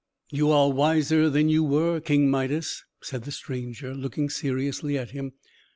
"You are wiser than you were, King Midas!" said the stranger, looking seriously at him.